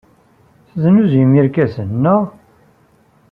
Tesnuzuyem irkasen, naɣ?